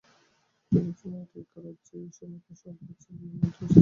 Peloponnesus এবং Attica রাজ্যেই এই সময়কার শিল্পের চরম উন্নতি-স্থান।